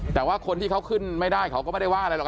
แต่ว่าคนที่เขาขึ้นไม่ได้เขาก็ไม่ได้ว่าอะไรหรอก